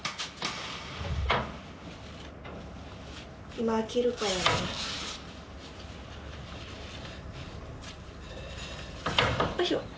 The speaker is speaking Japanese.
今開けるからね。よいしょ。